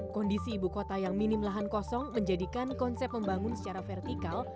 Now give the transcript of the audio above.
kondisi ibu kota yang minim lahan kosong menjadikan konsep membangun secara vertikal